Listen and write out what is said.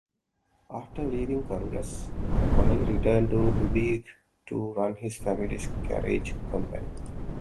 After leaving Congress, Connolly returned to Dubuque to run his family's carriage company.